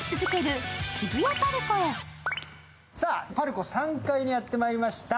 ＰＡＲＣＯ３階にやってまいりました。